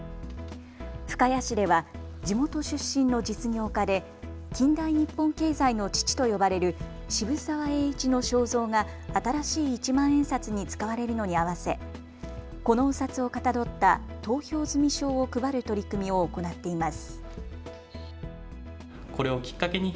深谷市では地元出身の実業家で近代日本経済の父と呼ばれる渋沢栄一の肖像が新しい一万円札に使われるのに合わせこのお札をかたどった投票済証を配る取り組みを行っています。